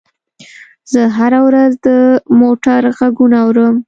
زه هره ورځ د موټر غږونه اورم.